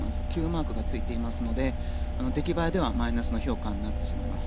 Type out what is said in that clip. ｑマークがついていますので出来栄えではマイナスの評価になってしまいます。